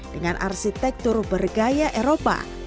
dengan arsitektur bergaya eropa